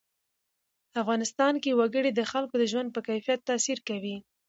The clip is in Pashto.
افغانستان کې وګړي د خلکو د ژوند په کیفیت تاثیر کوي.